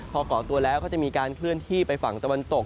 พอก่อตัวแล้วก็จะมีการเคลื่อนที่ไปฝั่งตะวันตก